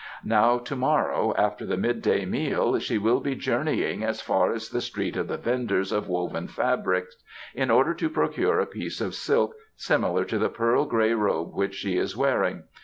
Now to morrow, after the midday meal, she will be journeying as far as the street of the venders of woven fabrics in order to procure a piece of silk similar to the pearl grey robe which she is wearing.